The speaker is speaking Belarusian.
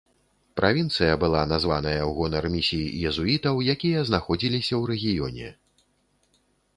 Правінцыя была названая ў гонар місій езуітаў, якія знаходзіліся ў рэгіёне.